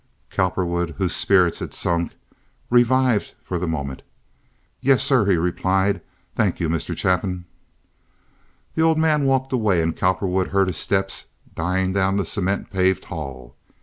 Cowperwood, whose spirits had sunk, revived for the moment. "Yes, sir," he replied; "thank you, Mr. Chapin." The old man walked away, and Cowperwood heard his steps dying down the cement paved hall.